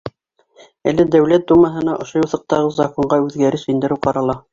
Әле Дәүләт Думаһында ошо юҫыҡтағы законға үҙгәреш индереү ҡарала.